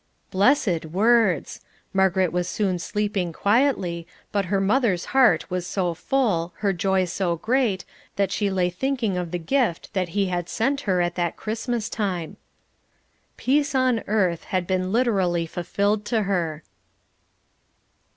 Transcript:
Blessed words! Margaret was soon sleeping quietly, but her mother's heart was so full, her joy so great, that she lay thinking of the gift that He had sent her at that Christmas time. "Peace on earth," had been literally fulfilled to her.